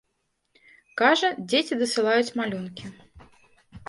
Кажа, дзеці дасылаюць малюнкі.